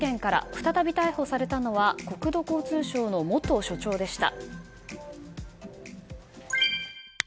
再び逮捕されたのは国土交通省の元所長でした。